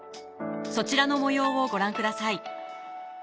そちらの模様をご覧ください